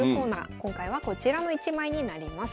今回はこちらの一枚になります。